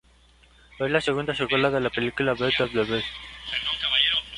Es la segunda secuela de la película Best of the Best.